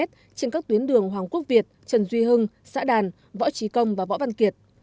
trên các tuyến đường hoàng quốc việt trần duy hưng xã đàn võ trí công và võ văn kiệt